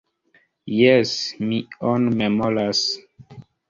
Jes, mi ion memoras.